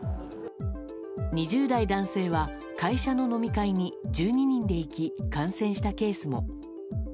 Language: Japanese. ２０代男性は会社の飲み会に１２人で行き感染したケースも。